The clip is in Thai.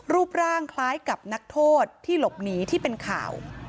รูปร่างคล้ายกับนักโทษที่หลบหนีที่เป็นข่าว